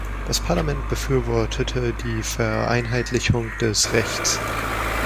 Das Parlament befürwortete die Vereinheitlichung des Rechts.